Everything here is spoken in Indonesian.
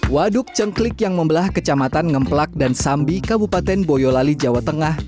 waduk cengklik yang membelah kecamatan ngemplak dan sambi kabupaten boyolali jawa tengah